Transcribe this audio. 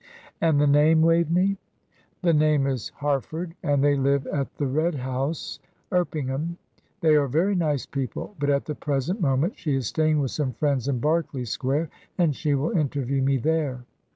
"And the name, Waveney?" "The name is Harford, and they live at the 'Red House,' Erpingham. They are very nice people, but at the present moment she is staying with some friends in Berkeley Square, and she will interview me there."